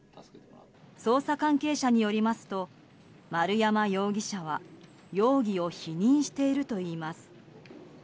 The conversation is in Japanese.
捜査関係者によりますと丸山容疑者は容疑を否認しているといいます。